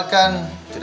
aku mau ngapain